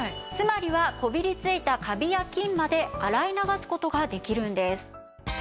つまりはこびりついたカビや菌まで洗い流す事ができるんです。